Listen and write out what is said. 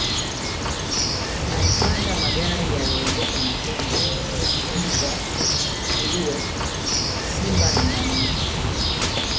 Alipanda magari yaliyoendeshwa na tembo mbwa nguruwe simba na ngamia